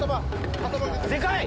でかい！